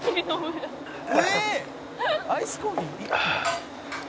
「アイスコーヒー一気？」